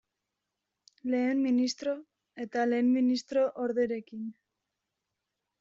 Lehen ministro eta lehen ministro orderekin.